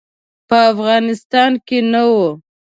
په افغانستان کې نه وو.